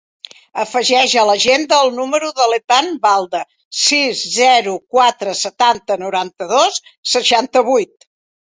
Afegeix a l'agenda el número de l'Ethan Balda: sis, zero, quatre, setanta, noranta-dos, seixanta-vuit.